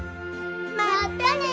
またね！